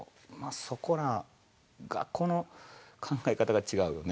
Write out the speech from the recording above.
そこが、この考え方が違うよね。